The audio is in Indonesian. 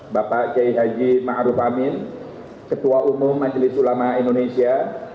bapak jai haji ma'ruf amin ketua umum majelis ulama indonesia